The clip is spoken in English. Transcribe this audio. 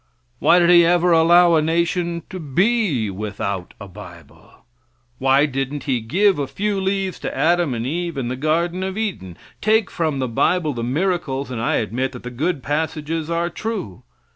Why did He ever allow a nation to be Without a bible? Why didn't He give a few leaves to Adam and Eve in the Garden of Eden? Take from the bible the miracles, and I admit that the good passages are true.